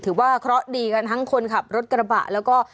ถือว่าเคราะห์ดีกันทั้งคนขับรถกระบะแล้วก็